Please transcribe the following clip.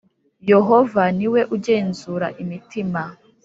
yohova niwe ugenzura imitima